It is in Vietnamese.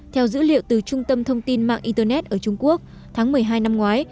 theo dữ liệu từ trung tâm thông tin mạng internet ở trung quốc tháng một mươi hai năm ngoái